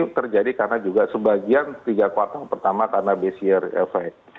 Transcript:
itu terjadi karena juga sebagian tiga kuartal pertama karena base year effe